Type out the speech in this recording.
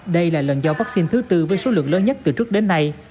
đây là lần do vaccine thứ tư với số lượng lớn nhất từ trước đến nay